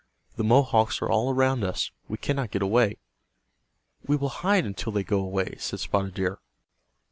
"The Mohawks are all around us. We cannot get away." "We will hide until they go away," said Spotted Deer.